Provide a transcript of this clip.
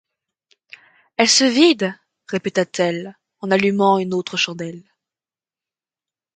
Elle se vide, répéta-t-elle, en allumant une autre chandelle.